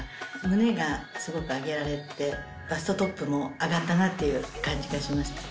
胸がすごく上げられてバストトップも上がったなっていう感じがしました。